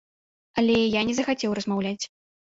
Але я не захацеў размаўляць.